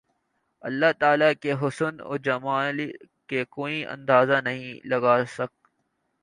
اللہ تعالی کے حسن و جمال کا کوئی اندازہ نہیں لگا سکت